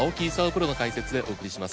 プロの解説でお送りします。